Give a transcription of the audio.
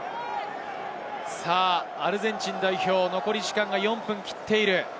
アルゼンチン代表、残り時間が４分を切っている。